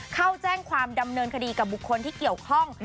เข้าแจ้งความดำเนินคดีกับบุคคลที่เกี่ยวข้อง